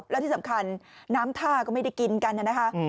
และที่สำคัญน้ำท่าก็ไม่ได้กินกันนะคะ